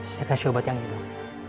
saya kasih obat yang ini dong